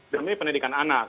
demi pendidikan anak